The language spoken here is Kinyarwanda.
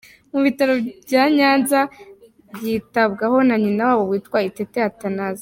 Mu bitaro bya Nyanza yitabwaho na nyina wabo witwa Itete Athanaziya.